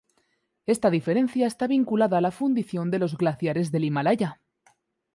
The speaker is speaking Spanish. Esta diferencia está vinculada a la fundición de los glaciares del Himalaya.